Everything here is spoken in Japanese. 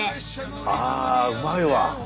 あうまいわ。